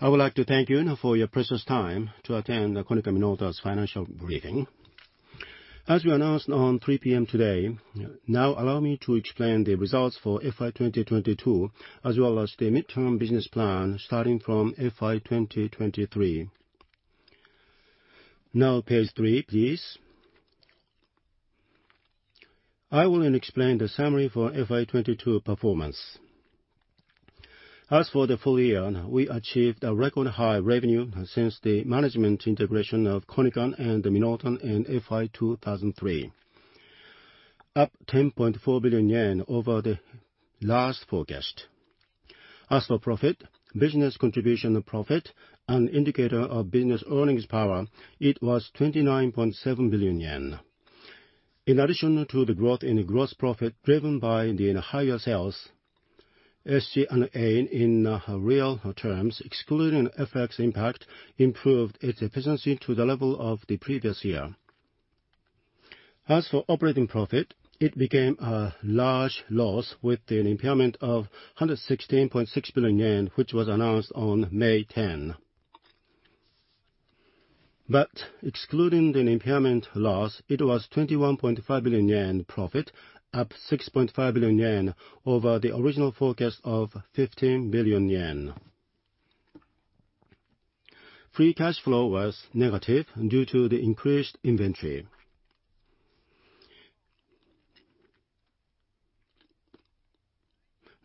I would like to thank you now for your precious time to attend the Konica Minolta's financial briefing. As we announced on 3:00 P.M. today, allow me to explain the results for FY 2022, as well as the midterm business plan starting from FY 2023. Page three, please. I will explain the summary for FY 2022 performance. As for the full year, we achieved a record high revenue since the management integration of Konica and Minolta in FY 2003, up 10.4 billion yen over the last forecast. As for profit, Business contribution profit, and indicator of business earnings power, it was 29.7 billion yen. In addition to the growth in gross profit driven by the higher sales, SG&A in real terms, excluding FX impact, improved its efficiency to the level of the previous year. As for operating profit, it became a large loss with an impairment of 116.6 billion yen, which was announced on May 10. Excluding an impairment loss, it was 21.5 billion yen profit, up 6.5 billion yen over the original forecast of 15 billion yen. Free cash flow was negative due to the increased inventory.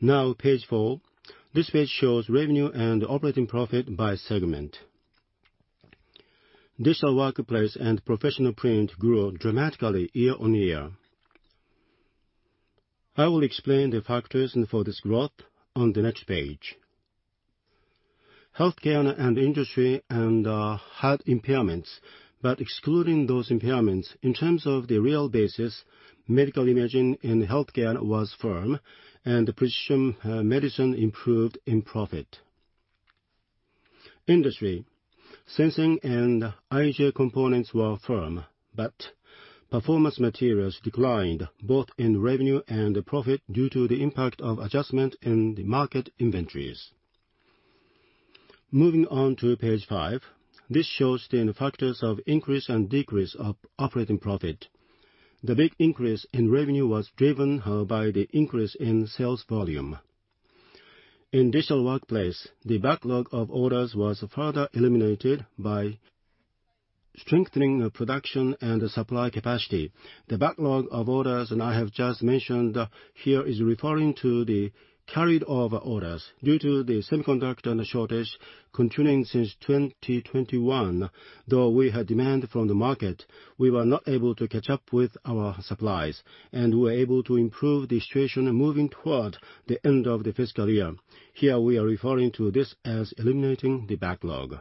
Now page four. This page shows revenue and operating profit by segment. Digital Workplace and Professional Print grew dramatically year-over-year. I will explain the factors and for this growth on the next page. Healthcare and industry had impairments, but excluding those impairments, in terms of the real basis, Medical Imaging and Healthcare was firm and the Precision Medicine improved in profit. Industry, Sensing and IoT components were firm, but Performance Materials declined both in revenue and profit due to the impact of adjustment in the market inventories. Moving on to page five. This shows the factors of increase and decrease of operating profit. The big increase in revenue was driven by the increase in sales volume. In Digital Workplace, the backlog of orders was further eliminated by strengthening of production and supply capacity. The backlog of orders, and I have just mentioned here, is referring to the carried over orders. Due to the semiconductor and the shortage continuing since 2021, though we had demand from the market, we were not able to catch up with our supplies. We were able to improve the situation moving toward the end of the fiscal year. Here, we are referring to this as eliminating the backlog.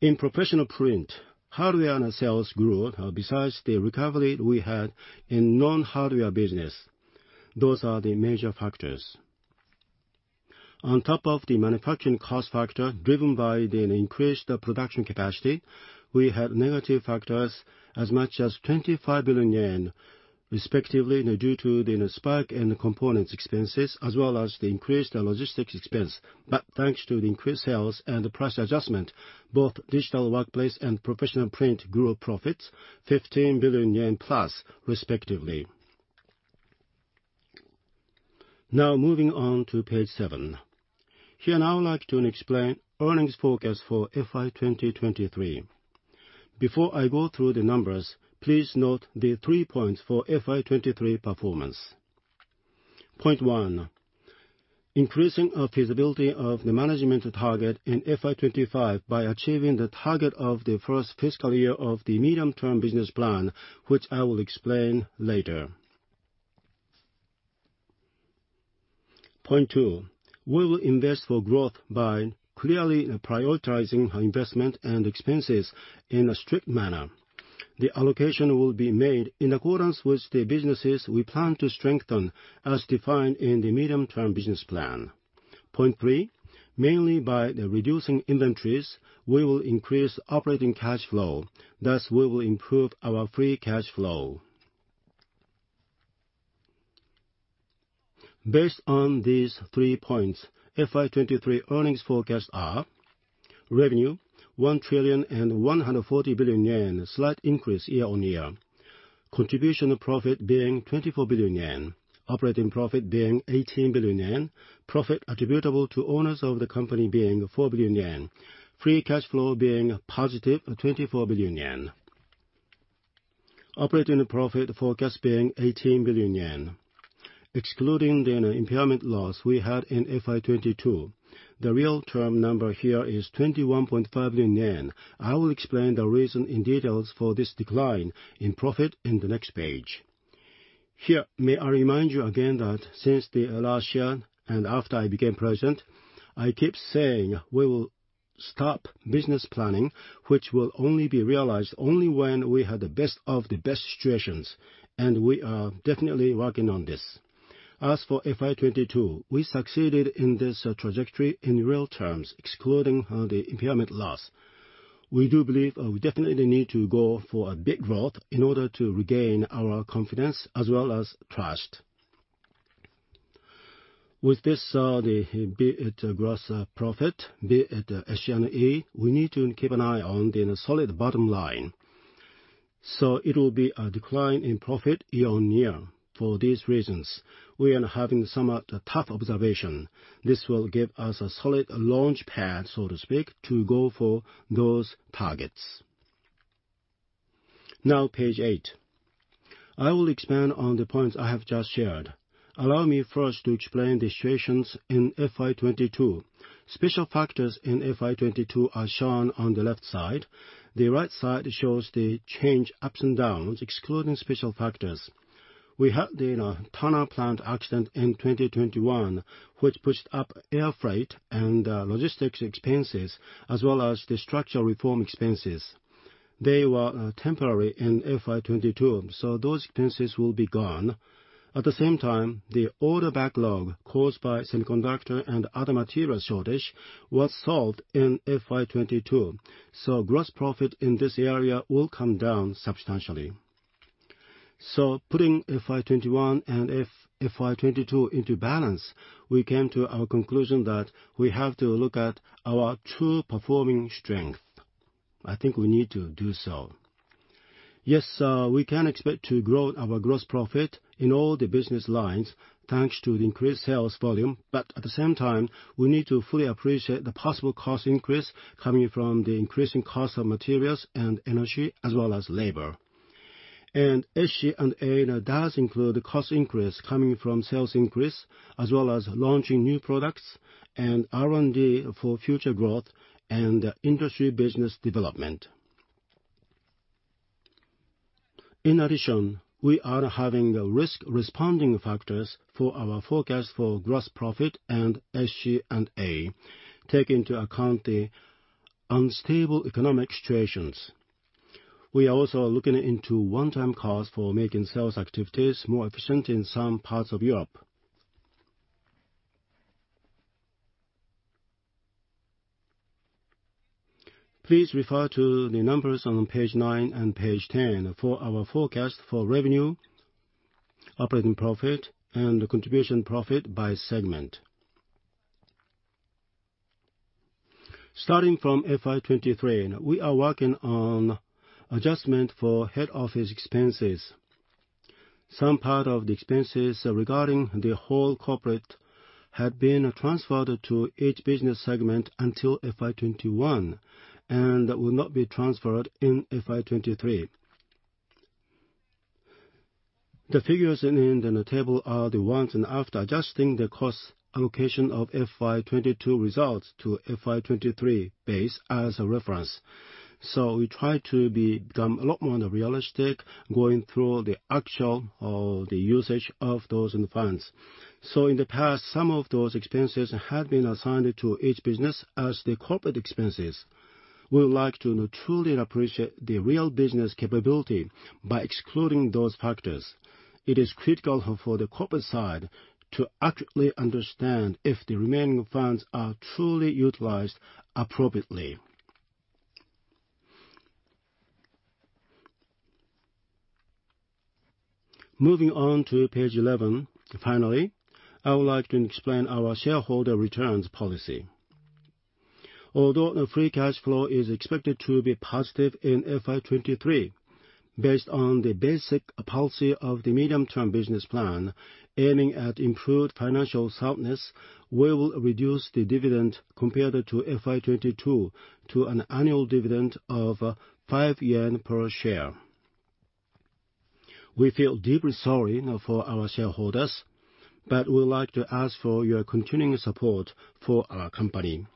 In Professional Print, hardware and sales grew besides the recovery we had in non-hardware business. Those are the major factors. On top of the manufacturing cost factor driven by the increased production capacity, we had negative factors as much as 25 billion yen, respectively due to the spark in the components expenses as well as the increased logistics expense. Thanks to the increased sales and the price adjustment, both Digital Workplace and Professional Print grew profits 15 billion yen+, respectively. Now moving on to page seven. Here, now I would like to explain earnings forecast for FY 2023. Before I go through the numbers, please note the three points for FY 2023 performance. Point one, increasing our feasibility of the management target in FY 2025 by achieving the target of the first fiscal year of the medium-term business plan, which I will explain later. Point two, we will invest for growth by clearly prioritizing our investment and expenses in a strict manner. The allocation will be made in accordance with the businesses we plan to strengthen as defined in the medium-term business plan. Point three, mainly by the reducing inventories, we will increase operating cash flow. Thus, we will improve our free cash flow. Based on these three points, FY 2023 earnings forecast are: revenue, 1,140 billion yen, slight increase year-on-year. Contribution profit being 24 billion yen. Operating profit being 18 billion yen. Profit attributable to owners of the company being 4 billion yen. Free cash flow being positive 24 billion yen. Operating profit forecast being 18 billion yen. Excluding the impairment loss we had in FY 2022, the real term number here is 21.5 billion yen. I will explain the reason in details for this decline in profit in the next page. Here, may I remind you again that since the last year and after I became president, I keep saying we will stop business planning, which will only be realized only when we have the best of the best situations. We are definitely working on this. As for FY 2022, we succeeded in this trajectory in real terms, excluding the impairment loss. We do believe we definitely need to go for a big growth in order to regain our confidence as well as trust. With this, be it gross profit, be it SG&A, we need to keep an eye on the solid bottom line. It will be a decline in profit year-on-year. For these reasons, we are having somewhat a tough observation. This will give us a solid launchpad, so to speak, to go for those targets. Now page eight. I will expand on the points I have just shared. Allow me first to explain the situations in FY 2022. Special factors in FY 2022 are shown on the left side. The right side shows the change ups and downs, excluding special factors. We had the, you know, Tatsuno Factory accident in 2021, which pushed up air freight and logistics expenses, as well as the structural reform expenses. They were temporary in FY 2022, so those expenses will be gone. At the same time, the order backlog caused by semiconductor and other material shortage was solved in FY 2022. Gross profit in this area will come down substantially. Putting FY 2021 and FY 2022 into balance, we came to our conclusion that we have to look at our true performing strength. I think we need to do so. Yes, we can expect to grow our gross profit in all the business lines, thanks to the increased sales volume. We need to fully appreciate the possible cost increase coming from the increasing cost of materials and energy, as well as labor. SG&A does include cost increase coming from sales increase, as well as launching new products and R&D for future growth and industry business development. We are having risk responding factors for our forecast for gross profit and SG&A, take into account the unstable economic situations. We are also looking into one-time costs for making sales activities more efficient in some parts of Europe. Please refer to the numbers on page nine and page 10 for our forecast for revenue, operating profit, and contribution profit by segment. Starting from FY 2023, we are working on adjustment for head office expenses. Some part of the expenses regarding the whole corporate had been transferred to each business segment until FY 2021 and will not be transferred in FY 2023. The figures in the table are the once and after adjusting the cost allocation of FY 2022 results to FY 2023 base as a reference. We try to become a lot more realistic going through the actual, the usage of those funds. In the past, some of those expenses had been assigned to each business as the corporate expenses. We would like to truly appreciate the real business capability by excluding those factors. It is critical for the corporate side to accurately understand if the remaining funds are truly utilized appropriately. Moving on to page 11. Finally, I would like to explain our shareholder returns policy. Although free cash flow is expected to be positive in FY 2023, based on the basic policy of the medium-term business plan aiming at improved financial soundness, we will reduce the dividend compared to FY 2022 to an annual dividend of 5 yen per share. We feel deeply sorry for our shareholders. We would like to ask for your continuing support for our company.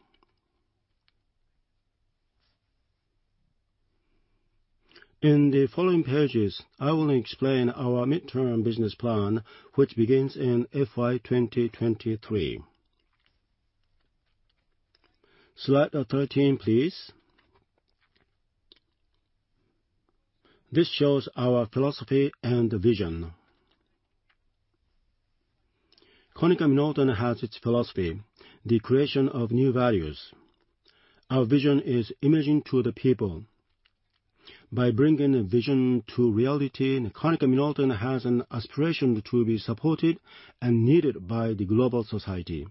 In the following pages, I will explain our medium-term business plan, which begins in FY 2023. Slide 13, please. This shows our philosophy and vision. Konica Minolta has its philosophy, the creation of new value. Our vision is Imaging to the People. By bringing vision to reality, Konica Minolta has an aspiration to be supported and needed by the global society.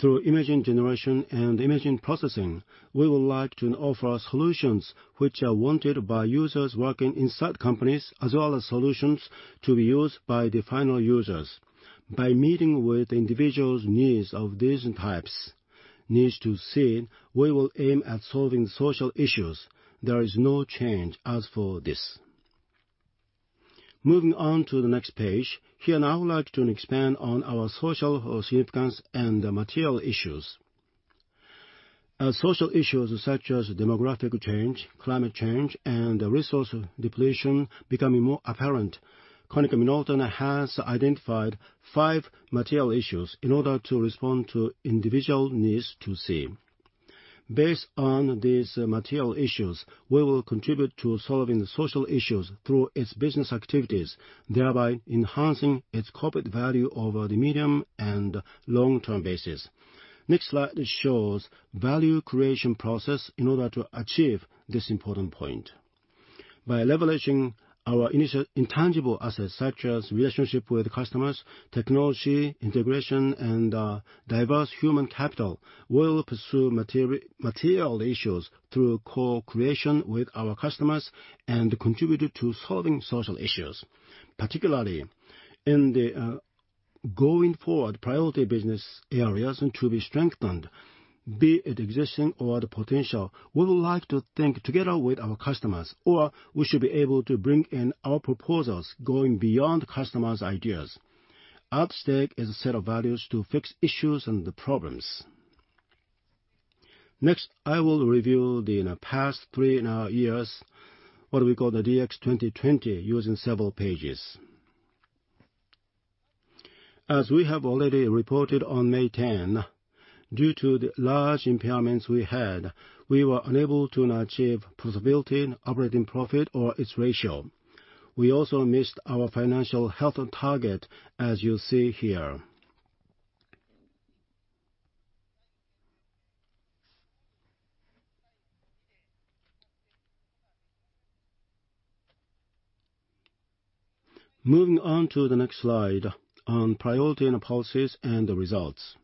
Through imaging generation and imaging processing, we would like to offer solutions which are wanted by users working inside companies, as well as solutions to be used by the final users. By meeting with individuals' needs of these types, needs to see, we will aim at solving social issues. There is no change as for this. Moving on to the next page. Here now I would like to expand on our social significance and material issues. As social issues such as demographic change, climate change, and resource depletion becoming more apparent, Konica Minolta has identified five material issues in order to respond to individual needs to see. Based on these material issues, we will contribute to solving the social issues through its business activities, thereby enhancing its corporate value over the medium and long-term basis. Next slide shows value creation process in order to achieve this important point. By leveraging our intangible assets, such as relationship with customers, technology, integration, and diverse human capital, we'll pursue material issues through co-creation with our customers and contribute to solving social issues. Particularly in the going forward priority business areas and to be strengthened, be it existing or the potential, we would like to think together with our customers, or we should be able to bring in our proposals going beyond customers' ideas. Upstake is a set of values to fix issues and problems. Next, I will review the, you know, past 3.5 years, what we call the DX 2020, using several pages. As we have already reported on May 10, due to the large impairments we had, we were unable to achieve profitability, operating profit, or its ratio. We also missed our financial health target, as you see here. Moving on to the next slide on priority and policies and the results.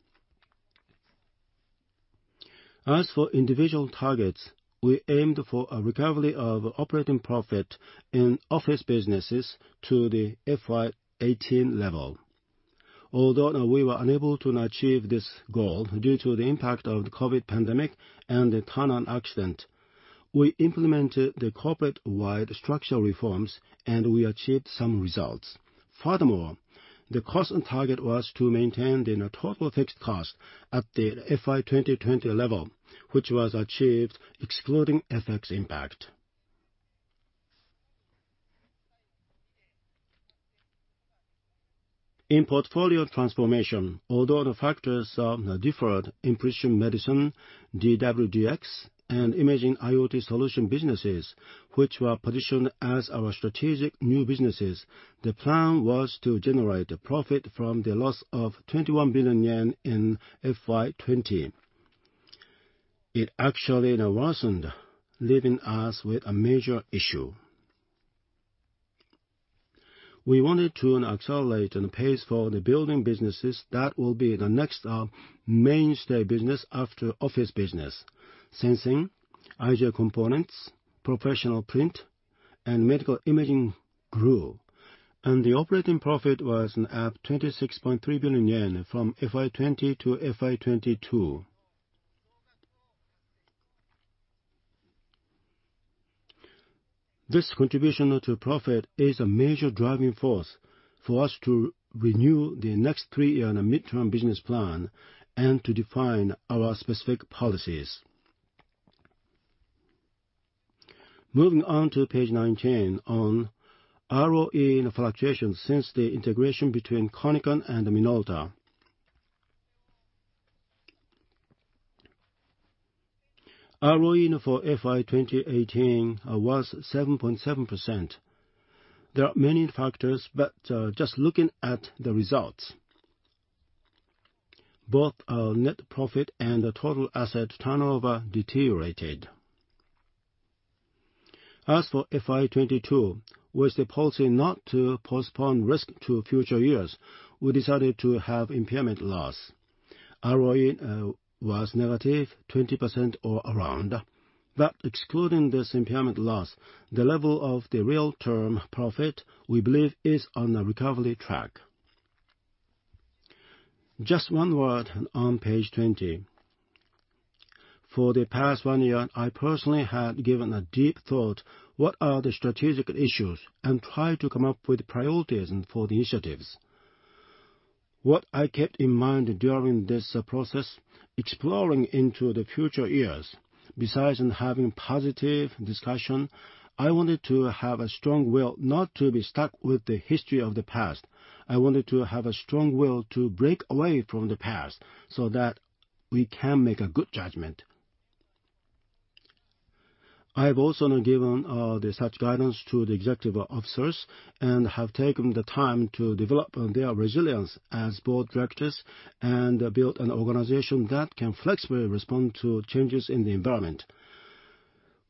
As for individual targets, we aimed for a recovery of operating profit in office businesses to the FY 2018 level. Although we were unable to achieve this goal due to the impact of the COVID pandemic and the Tatsuno accident, we implemented the corporate-wide structural reforms, and we achieved some results. Furthermore, the cost and target was to maintain the total fixed cost at the FY 2020 level, which was achieved excluding FX impact. In portfolio transformation, although the factors are different in Precision Medicine, DW-DX, and Imaging-IoT solution businesses, which were positioned as our strategic new businesses, the plan was to generate a profit from the loss of 21 billion yen in FY 2020. It actually worsened, leaving us with a major issue. We wanted to accelerate and pace for the building businesses that will be the next mainstay business after office business. Sensing, IJ Components, Professional Print, and Medical Imaging grew, the operating profit was up 26.3 billion yen from FY 2020 to FY 2022. This contribution to profit is a major driving force for us to renew the next three-year and midterm business plan and to define our specific policies. Moving on to page 19 on ROE fluctuations since the integration between Konica and Minolta. ROE for FY 2018 was 7.7%. There are many factors, just looking at the results, both our net profit and the total asset turnover deteriorated. As for FY 2022, with the policy not to postpone risk to future years, we decided to have impairment loss. ROE was -20% or around. Excluding this impairment loss, the level of the real term profit, we believe, is on a recovery track. Just one word on page 20. For the past one year, I personally had given a deep thought, what are the strategic issues, and try to come up with priorities and for the initiatives. What I kept in mind during this process, exploring into the future years, besides having positive discussion, I wanted to have a strong will not to be stuck with the history of the past. I wanted to have a strong will to break away from the past so that we can make a good judgment. I have also given, the such guidance to the executive officers and have taken the time to develop their resilience as board directors and build an organization that can flexibly respond to changes in the environment.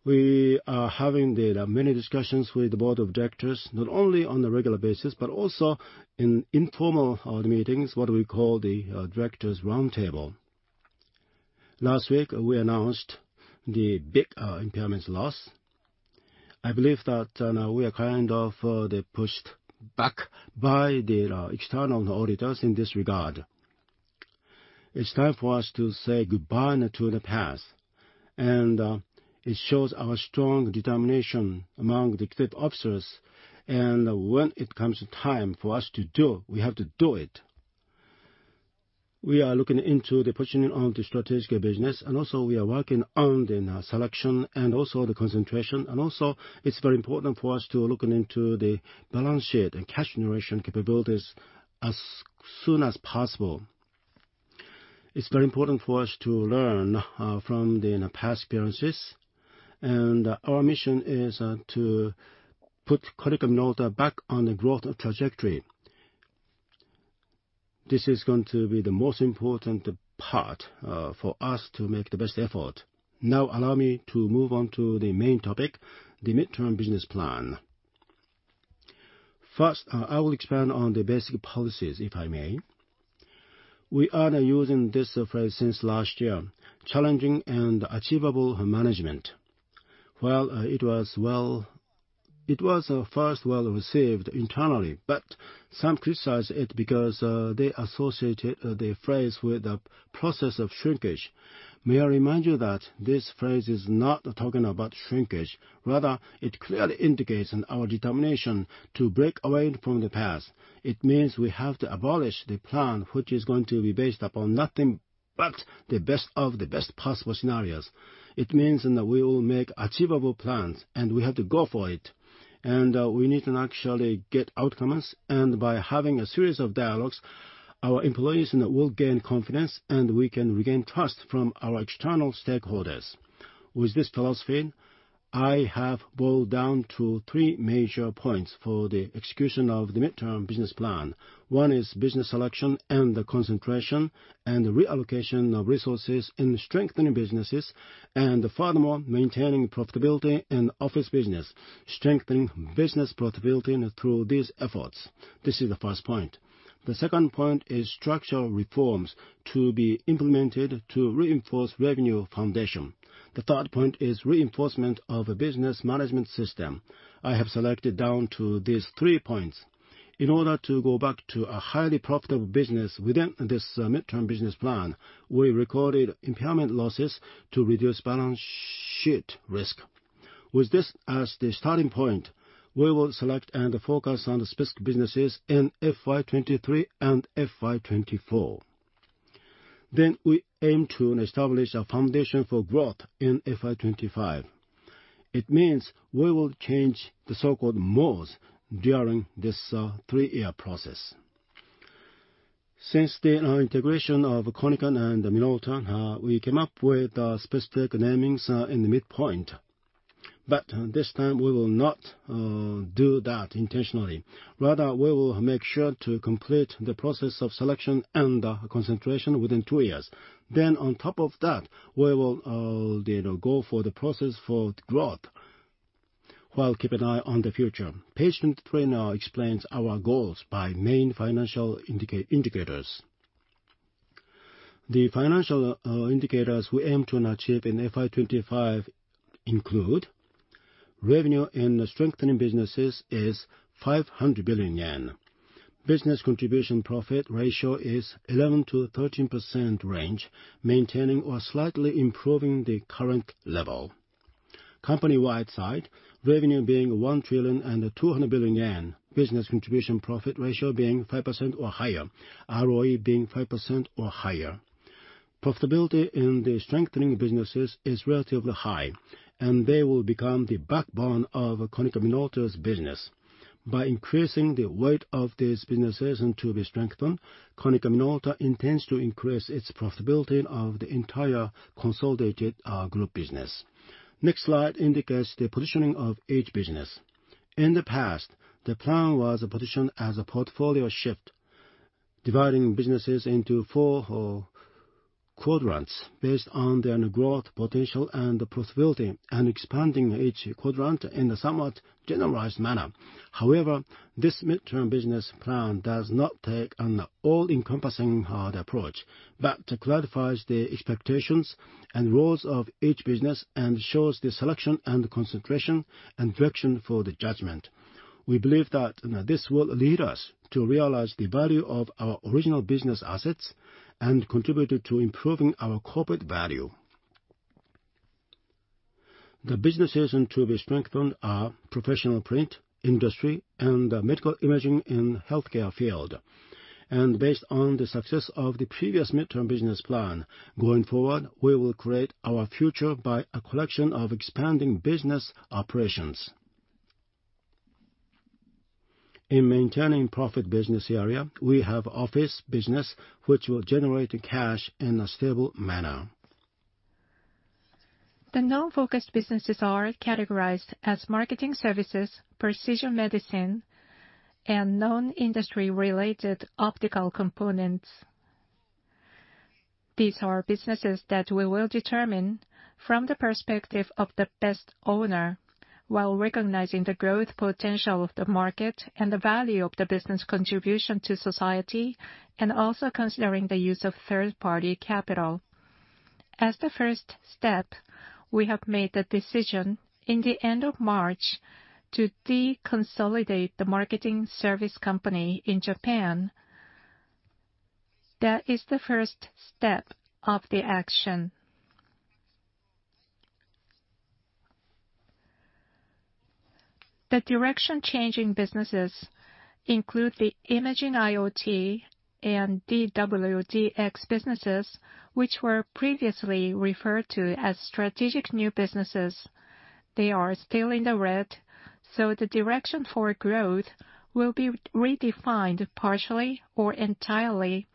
We are having the many discussions with the board of directors, not only on a regular basis, but also in informal meetings, what we call the directors roundtable. Last week, we announced the big impairments loss. I believe that we are kind of the pushed back by the external auditors in this regard. It's time for us to say goodbye now to the past. It shows our strong determination among the executive officers. When it comes time for us to do, we have to do it. We are looking into the positioning of the strategic business. Also, we are working on the selection and also the concentration. Also, it's very important for us to look into the balance sheet and cash generation capabilities as soon as possible. It's very important for us to learn from the past experiences, and our mission is to put Konica Minolta back on the growth trajectory. This is going to be the most important part for us to make the best effort. Now allow me to move on to the main topic, the midterm business plan. First, I will expand on the basic policies, if I may. We are using this phrase since last year, challenging and achievable management. Well, it was first well-received internally, but some criticized it because they associated the phrase with the process of shrinkage. May I remind you that this phrase is not talking about shrinkage. It clearly indicates our determination to break away from the past. It means we have to abolish the plan, which is going to be based upon nothing but the best of the best possible scenarios. It means that we will make achievable plans, and we have to go for it. We need to actually get outcomes, and by having a series of dialogues, our employees will gain confidence, and we can regain trust from our external stakeholders. With this philosophy, I have boiled down to three major points for the execution of the midterm business plan. One is business selection and concentration and reallocation of resources in strengthening businesses and furthermore, maintaining profitability in office business, strengthening business profitability through these efforts. This is the first point. The second point is structural reforms to be implemented to reinforce revenue foundation. The third point is reinforcement of a business management system. I have selected down to these three points. In order to go back to a highly profitable business within this midterm business plan, we recorded impairment losses to reduce balance sheet risk. With this as the starting point, we will select and focus on specific businesses in FY 2023 and FY 2024. We aim to establish a foundation for growth in FY 2025. It means we will change the so-called modes during this three-year process. Since the integration of Konica and Minolta, we came up with specific namings in the midpoint. This time, we will not do that intentionally. Rather, we will make sure to complete the process of selection and concentration within two years. On top of that, we will, you know, go for the process for growth while keep an eye on the future. Page 23 now explains our goals by main financial indicators. The financial indicators we aim to achieve in FY 2025 include revenue in the strengthening businesses is 500 billion yen. Business contribution profit ratio is 11%-13% range, maintaining or slightly improving the current level. Company-wide side, revenue being 1.2 trillion, Business contribution profit ratio being 5% or higher, ROE being 5% or higher. Profitability in the strengthening businesses is relatively high, and they will become the backbone of Konica Minolta's business. By increasing the weight of these businesses to be strengthened, Konica Minolta intends to increase its profitability of the entire consolidated group business. Next slide indicates the positioning of each business. In the past, the plan was positioned as a portfolio shift, dividing businesses into four quadrants based on their growth potential and profitability and expanding each quadrant in a somewhat generalized manner. This midterm business plan does not take an all-encompassing hard approach, but clarifies the expectations and roles of each business and shows the selection and concentration and direction for the judgment. We believe that this will lead us to realize the value of our original business assets and contribute to improving our corporate value. The businesses to be strengthened are Professional Print, industry, and Medical Imaging in healthcare field. Based on the success of the previous midterm business plan, going forward, we will create our future by a collection of expanding business operations. In maintaining profit business area, we have office business, which will generate cash in a stable manner. The non-focused businesses are categorized as Marketing Services, Precision Medicine, and non-industry related Optical Components. These are businesses that we will determine from the perspective of the best owner while recognizing the growth potential of the market and the value of the business contribution to society, also considering the use of third-party capital. As the first step, we have made the decision in the end of March to de-consolidate the Marketing Services company in Japan. That is the first step of the action. The direction-changing businesses include the Imaging-IoT and DW-DX businesses, which were previously referred to as strategic new businesses. They are still in the red, so the direction for growth will be redefined partially or entirely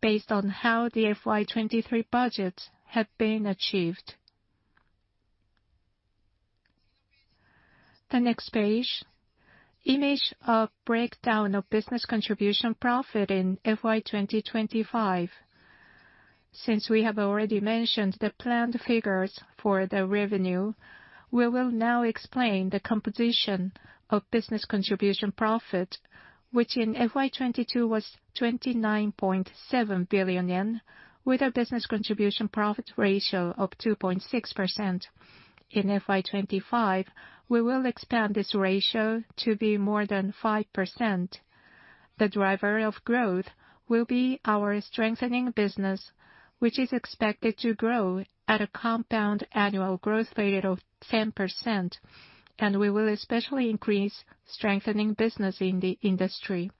based on how the FY 2023 budgets have been achieved. The next page, image of breakdown of Business contribution profit in FY 2025. We have already mentioned the planned figures for the revenue, we will now explain the composition of business contribution profit, which in FY 2022 was 29.7 billion yen, with a business contribution profit ratio of 2.6%. In FY 2025, we will expand this ratio to be more than 5%. The driver of growth will be our strengthening business, which is expected to grow at a compound annual growth rate of 10%, and we will especially increase strengthening business in the industry.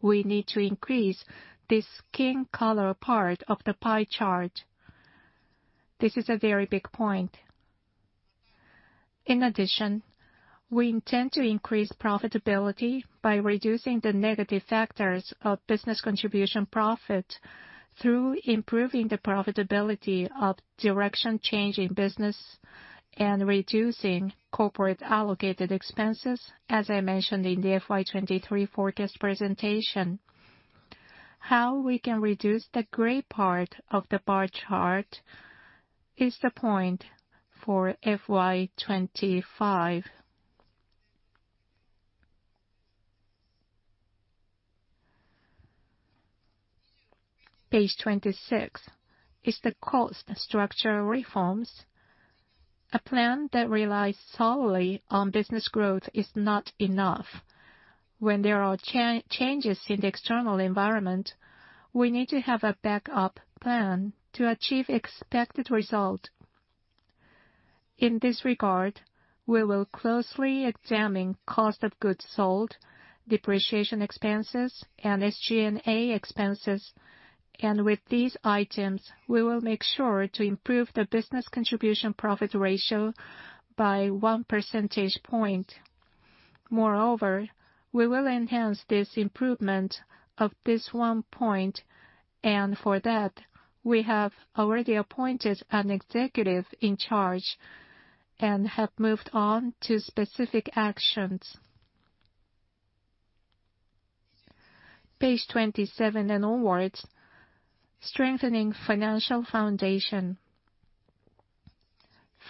We need to increase this skin color part of the pie chart. This is a very big point. In addition, we intend to increase profitability by reducing the negative factors of business contribution profit through improving the profitability of direction change in business and reducing corporate allocated expenses, as I mentioned in the FY 2023 forecast presentation. How we can reduce the gray part of the bar chart is the point for FY 2025. Page 26 is the cost structure reforms. A plan that relies solely on business growth is not enough. When there are changes in the external environment, we need to have a backup plan to achieve expected result. In this regard, we will closely examine cost of goods sold, depreciation expenses, and SG&A expenses, and with these items, we will make sure to improve the Business contribution profit ratio by one percentage point. Moreover, we will enhance this improvement of this one point, and for that, we have already appointed an executive in charge and have moved on to specific actions. Page 27 and onwards, strengthening financial foundation.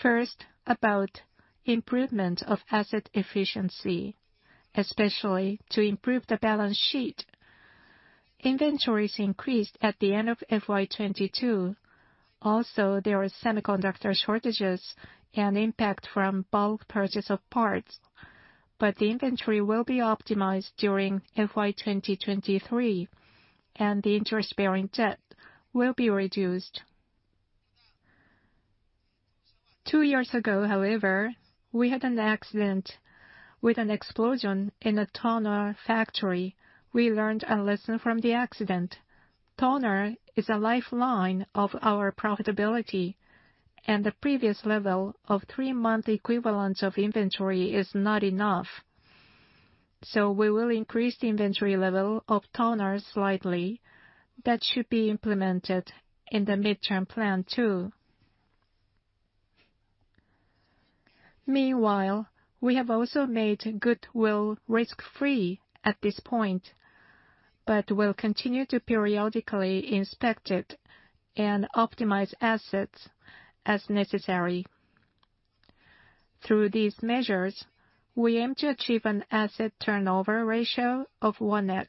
First, about improvement of asset efficiency, especially to improve the balance sheet. Inventories increased at the end of FY 2022. Also, there are semiconductor shortages and impact from bulk purchase of parts. The inventory will be optimized during FY 2023, and the interest-bearing debt will be reduced. Two years ago, however, we had an accident with an explosion in a Tatsuno Factory. We learned a lesson from the accident. Toner is a lifeline of our profitability, and the previous level of three month equivalence of inventory is not enough. We will increase the inventory level of toner slightly. That should be implemented in the mid-term plan too. Meanwhile, we have also made goodwill risk-free at this point, but we'll continue to periodically inspect it and optimize assets as necessary. Through these measures, we aim to achieve an asset turnover ratio of 1x.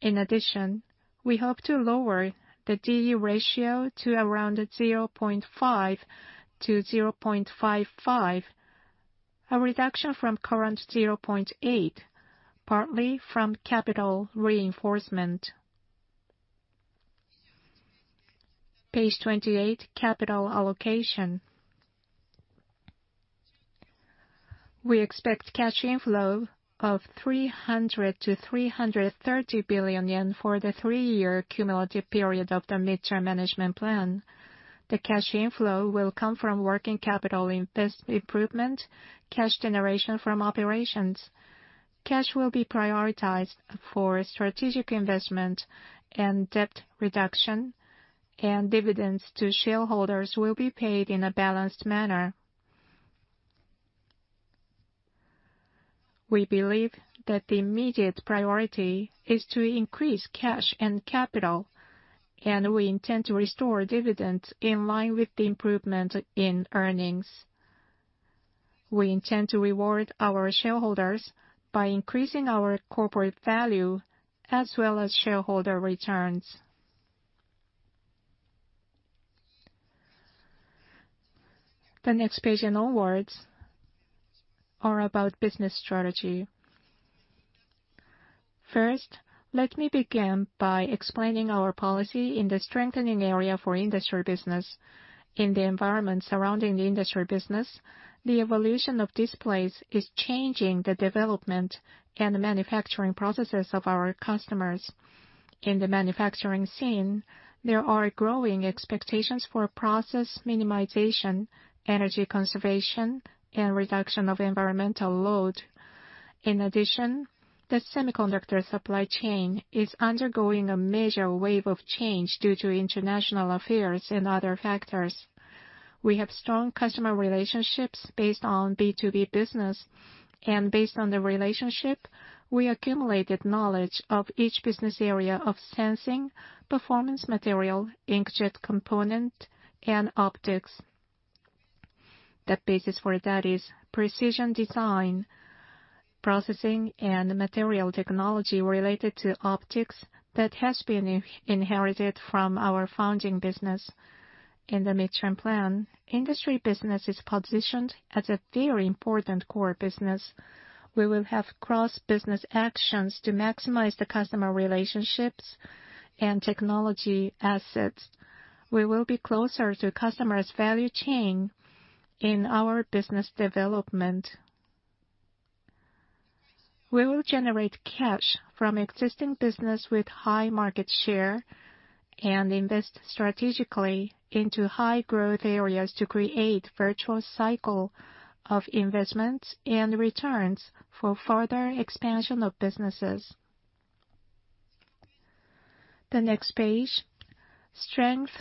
In addition, we hope to lower the D/E ratio to around 0.5-0.55, a reduction from current 0.8, partly from capital reinforcement. Page 28, capital allocation. We expect cash inflow of 300 billion-330 billion yen for the three-year cumulative period of the midterm management plan. The cash inflow will come from working capital invest improvement, cash generation from operations. Cash will be prioritized for strategic investment and debt reduction, and dividends to shareholders will be paid in a balanced manner. We believe that the immediate priority is to increase cash and capital, and we intend to restore dividends in line with the improvement in earnings. We intend to reward our shareholders by increasing our corporate value as well as shareholder returns. The next page and onwards are about business strategy. First, let me begin by explaining our policy in the strengthening area for industrial business. In the environment surrounding the industrial business, the evolution of displays is changing the development and manufacturing processes of our customers. In the manufacturing scene, there are growing expectations for process minimization, energy conservation, and reduction of environmental load. In addition, the semiconductor supply chain is undergoing a major wave of change due to international affairs and other factors. We have strong customer relationships based on B2B business, and based on the relationship, we accumulated knowledge of each business area of Sensing, Performance Materials, Inkjet Component, and Optics. The basis for that is precision design, processing, and material technology related to optics that has been inherited from our founding business. In the midterm plan, industrial business is positioned as a very important core business. We will have cross-business actions to maximize the customer relationships and technology assets. We will be closer to customers' value chain in our business development. We will generate cash from existing business with high market share and invest strategically into high growth areas to create virtual cycle of investments and returns for further expansion of businesses. The next page, strength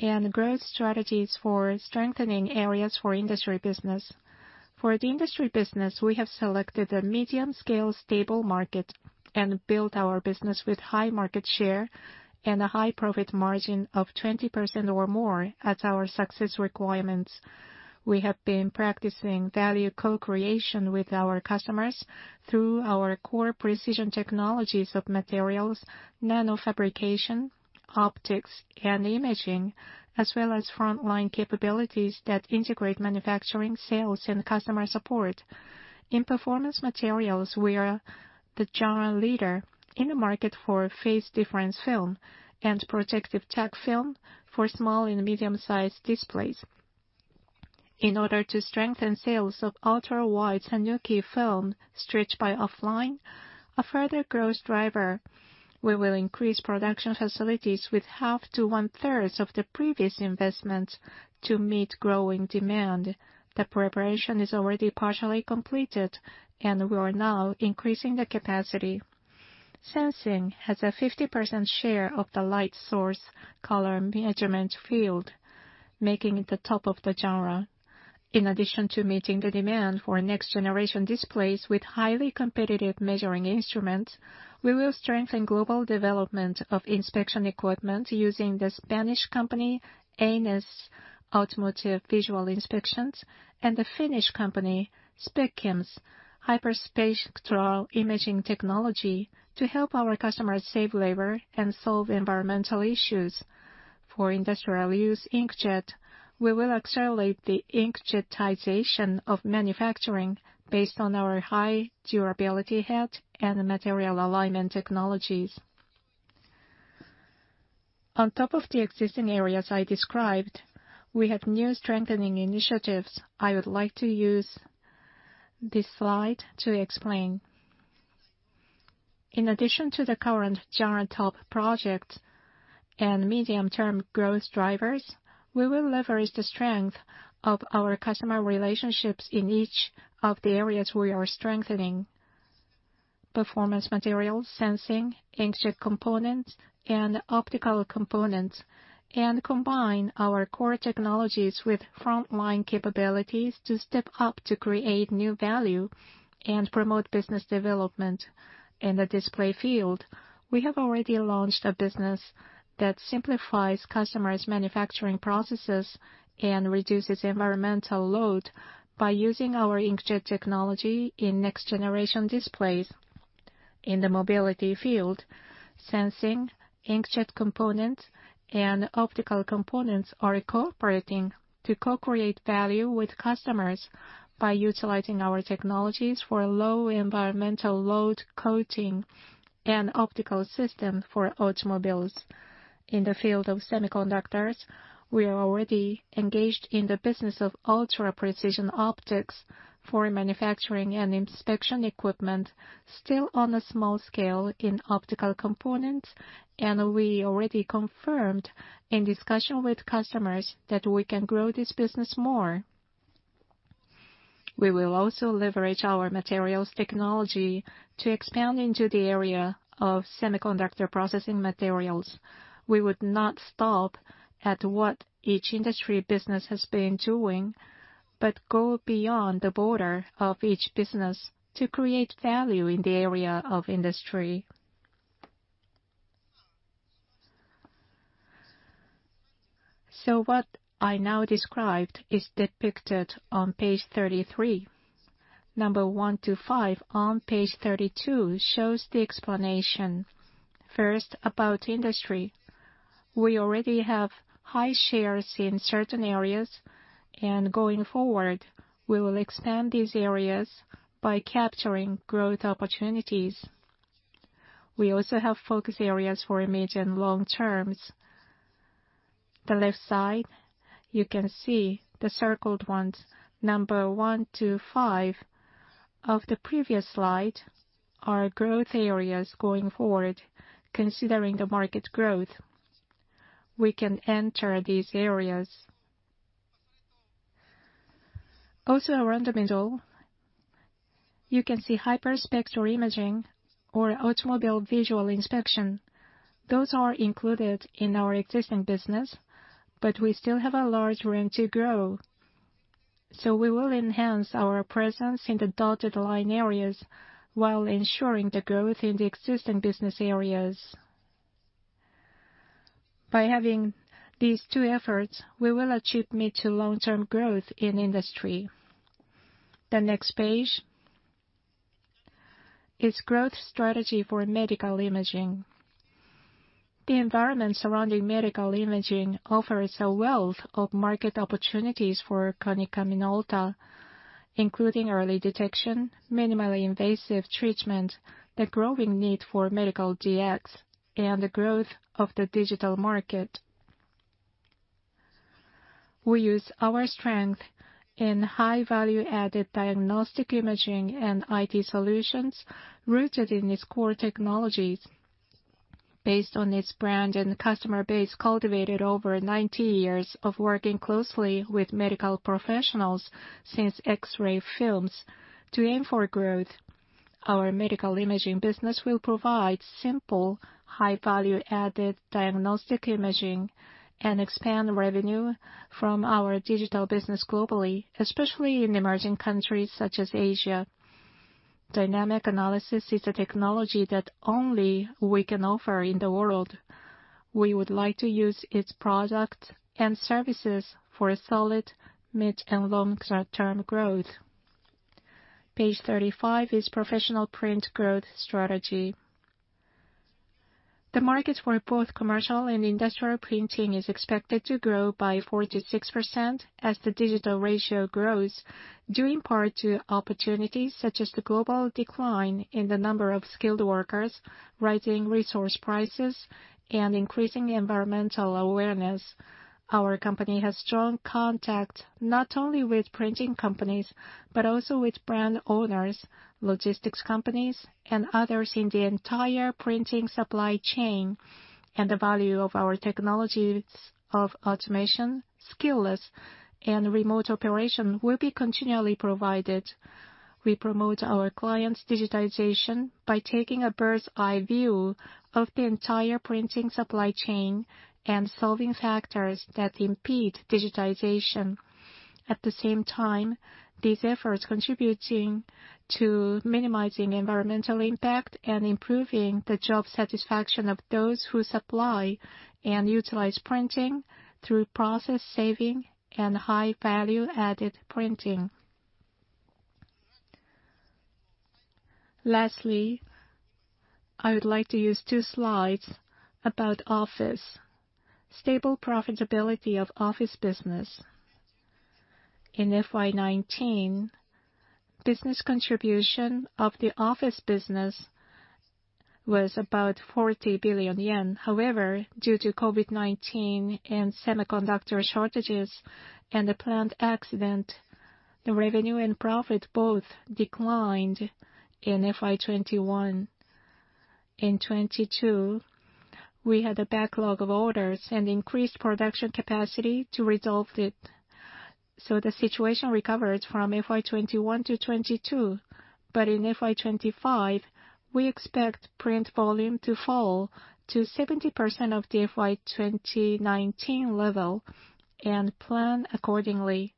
and growth strategies for strengthening areas for industry business. For the industry business, we have selected a medium-scale stable market and built our business with high market share and a high profit margin of 20% or more as our success requirements. We have been practicing value co-creation with our customers through our core precision technologies of materials, nanofabrication, optics, and imaging, as well as frontline capabilities that integrate manufacturing, sales, and customer support. In Performance Materials, we are the genre leader in the market for phase difference film and protective TAC film for small and medium-sized displays. In order to strengthen sales of ultra-wide SANUQI film stretched by offline, a further growth driver, we will increase production facilities with half to one-thirds of the previous investment to meet growing demand. The preparation is already partially completed, and we are now increasing the capacity. Sensing has a 50% share of the light source color measurement field, making it the top of the genre. In addition to meeting the demand for next generation displays with highly competitive measuring instruments, we will strengthen global development of inspection equipment using the Spanish company, Eines Systems' automotive visual inspections and the Finnish company, Specim's hyperspectral imaging technology to help our customers save labor and solve environmental issues. For industrial use inkjet, we will accelerate the inkjetization of manufacturing based on our high durability head and material alignment technologies. On top of the existing areas I described, we have new strengthening initiatives I would like to use this slide to explain. In addition to the current genre top projects and medium-term growth drivers, we will leverage the strength of our customer relationships in each of the areas we are strengthening, Performance Materials, Sensing, Inkjet Components, and Optical Components, and combine our core technologies with frontline capabilities to step up to create new value and promote business development. In the display field, we have already launched a business that simplifies customers' manufacturing processes and reduces environmental load by using our inkjet technology in next generation displays. In the mobility field, Sensing, Inkjet Components, and Optical Components are cooperating to co-create value with customers by utilizing our technologies for low environmental load coating and optical system for automobiles. In the field of semiconductors, we are already engaged in the business of ultra-precision optics for manufacturing and inspection equipment still on a small scale in Optical Components, and we already confirmed in discussion with customers that we can grow this business more. We will also leverage our materials technology to expand into the area of semiconductor processing materials. We would not stop at what each industry business has been doing, but go beyond the border of each business to create value in the area of industry. What I now described is depicted on page 33. Number one-fiveon page 32 shows the explanation. First, about industry. We already have high shares in certain areas. Going forward, we will expand these areas by capturing growth opportunities. We also have focus areas for image and long terms. The left side, you can see the circled ones, one-five of the previous slide are growth areas going forward, considering the market growth. We can enter these areas. Around the middle, you can see Hyperspectral imaging or automobile visual inspection. Those are included in our existing business. We still have a large room to grow. We will enhance our presence in the dotted line areas while ensuring the growth in the existing business areas. By having these two efforts, we will achieve mid-to-long-term growth in industry. The next page is growth strategy for Medical Imaging. The environment surrounding Medical Imaging offers a wealth of market opportunities for Konica Minolta, including early detection, minimally invasive treatment, the growing need for medical DX, and the growth of the digital market. We use our strength in high value-added diagnostic imaging and IT solutions rooted in its core technologies based on its brand and customer base cultivated over 90 years of working closely with medical professionals since X-ray films to aim for growth. Our Medical Imaging business will provide simple, high value-added diagnostic imaging and expand revenue from our digital business globally, especially in emerging countries such as Asia. Dynamic analysis is a technology that only we can offer in the world. We would like to use its product and services for a solid mid and long-term growth. Page 35 is Professional Print growth strategy. The market for both commercial and industrial printing is expected to grow by 4%-6% as the digital ratio grows, due in part to opportunities such as the global decline in the number of skilled workers, rising resource prices, and increasing environmental awareness. Our company has strong contact not only with printing companies, but also with brand owners, logistics companies, and others in the entire printing supply chain, and the value of our technologies of automation, skillless, and remote operation will be continually provided. We promote our clients' digitization by taking a bird's-eye view of the entire printing supply chain and solving factors that impede digitization. At the same time, these efforts contributing to minimizing environmental impact and improving the job satisfaction of those who supply and utilize printing through process saving and high value-added printing. Lastly, I would like to use two slides about office. Stable profitability of office business. In FY 2019, business contribution of the office business was about 40 billion yen. However, due to COVID-19 and semiconductor shortages and a plant accident, the revenue and profit both declined in FY 2021. In 2022, we had a backlog of orders and increased production capacity to resolve it. The situation recovered from FY 2021 to FY 2022. In FY 2025, we expect print volume to fall to 70% of the FY 2019 level and plan accordingly.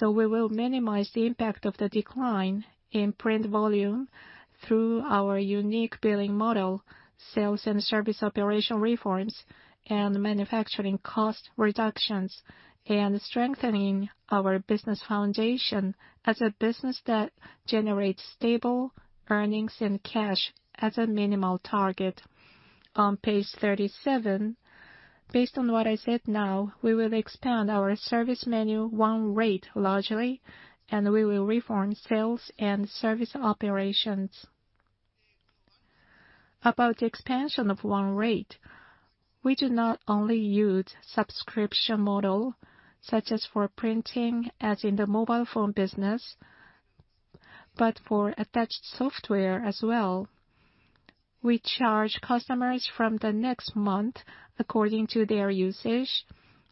We will minimize the impact of the decline in print volume through our unique billing model, sales and service operation reforms, and manufacturing cost reductions, and strengthening our business foundation as a business that generates stable earnings and cash as a minimal target. On page 37, based on what I said now, we will expand our service menu OneRate largely. We will reform sales and service operations. About expansion of OneRate, we do not only use subscription model, such as for printing as in the mobile phone business, but for attached software as well. We charge customers from the next month according to their usage,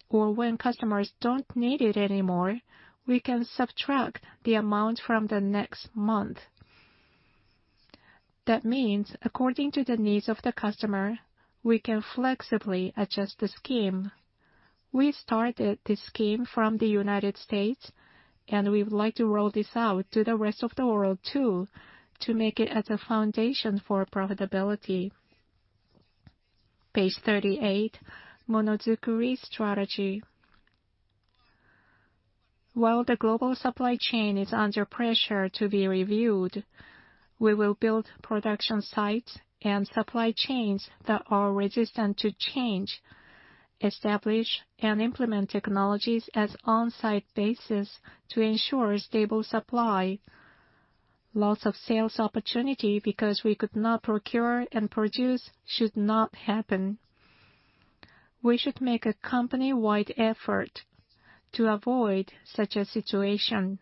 or when customers don't need it anymore, we can subtract the amount from the next month. That means according to the needs of the customer, we can flexibly adjust the scheme. We started this scheme from the United States. We would like to roll this out to the rest of the world too to make it as a foundation for profitability. Page 38, Monozukuri strategy. While the global supply chain is under pressure to be reviewed, we will build production sites and supply chains that are resistant to change, establish and implement technologies as on-site basis to ensure stable supply. Loss of sales opportunity because we could not procure and produce should not happen. We should make a company-wide effort to avoid such a situation.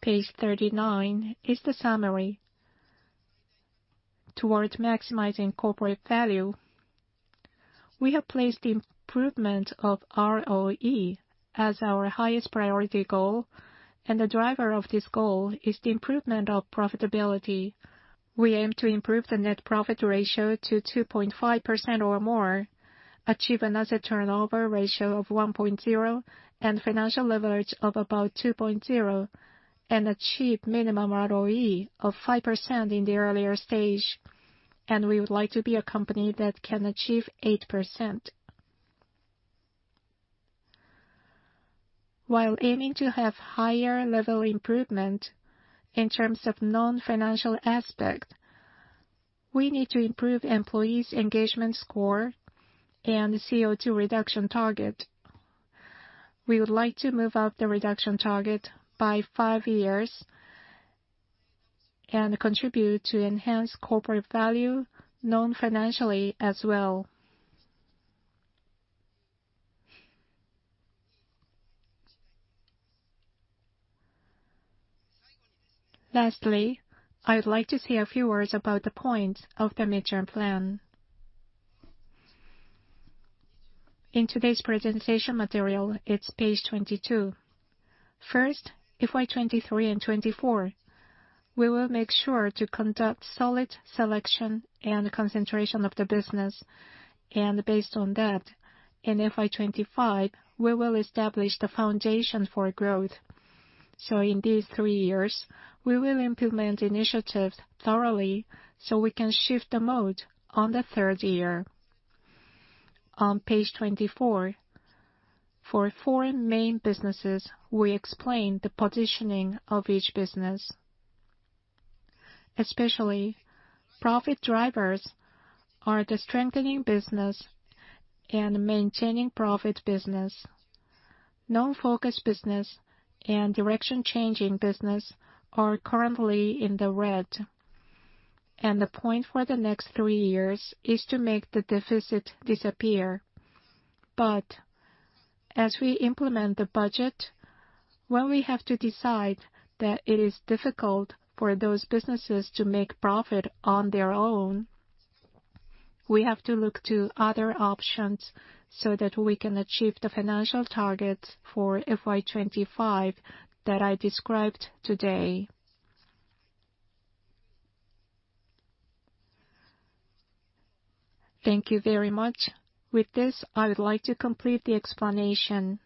Page 39 is the summary towards maximizing corporate value. We have placed improvement of ROE as our highest priority goal, and the driver of this goal is the improvement of profitability. We aim to improve the net profit ratio to 2.5% or more, achieve an asset turnover ratio of 1.0, and financial leverage of about 2.0, and achieve minimum ROE of 5% in the earlier stage, and we would like to be a company that can achieve 8%. While aiming to have higher-level improvement in terms of non-financial aspect, we need to improve employees' engagement score and CO2 reduction target. We would like to move up the reduction target by five years and contribute to enhance corporate value non-financially as well. Lastly, I would like to say a few words about the points of the midterm plan. In today's presentation material, it's page 22. First, FY 2023 and FY 2024, we will make sure to conduct solid selection and concentration of the business. Based on that, in FY 2025, we will establish the foundation for growth. In these three years, we will implement initiatives thoroughly, so we can shift the mode on the third year. On page 24, for foreign main businesses, we explain the positioning of each business. Especially profit drivers are the strengthening business and maintaining profit business. Non-focus business and direction changing business are currently in the red. The point for the next three years is to make the deficit disappear. As we implement the budget, when we have to decide that it is difficult for those businesses to make profit on their own, we have to look to other options so that we can achieve the financial targets for FY 2025 that I described today. Thank you very much. With this, I would like to complete the explanation.